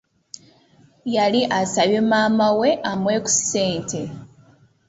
Yali asabye maama we amuwe ku ssente.